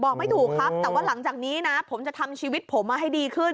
ไม่ถูกครับแต่ว่าหลังจากนี้นะผมจะทำชีวิตผมมาให้ดีขึ้น